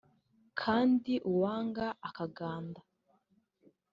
Kandi uwanga akaganda